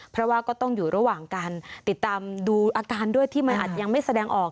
เพราะว่าก็ต้องอยู่ระหว่างการติดตามดูอาการด้วยที่มันอาจยังไม่แสดงออก